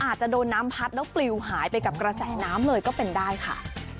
อาจจะโดนน้ำพัดแล้วปลิวหายไปกับกระแสน้ำเลยก็เป็นได้ค่ะ